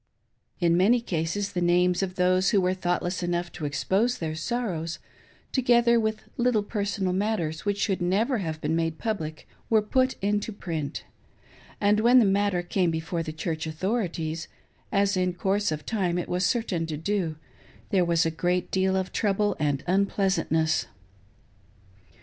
In many cases, the names of those who were thoughtless enough to expose their sorrows, together with little personal matters which should never have 31 508 LOOKING THROUGH MORMON SPECTACLES. been made public, were put into print; and when the matter came before the Church authorities — as in course of time it was certain to do — there was a great deal of trouble and unpleasantness.